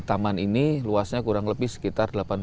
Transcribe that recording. taman ini luasnya kurang lebih sekitar